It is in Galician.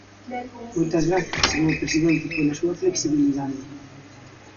Moitas grazas, señor presidente, pola súa flexibilidade.